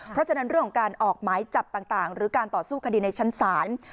เพราะฉะนั้นเรื่องของการออกหมายจับต่างหรือการต่อสู้คดีในชั้นศาล